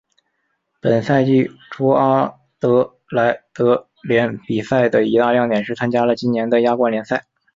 本赛季初阿德莱德联比赛的一大亮点是参加了今年的亚冠联赛。